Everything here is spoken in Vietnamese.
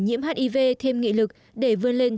nhiễm hiv thêm nghị lực để vươn lên